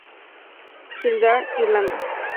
Kildare, Irlanda.